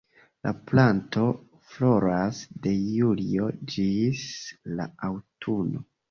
La planto floras de julio ĝis la aŭtuno.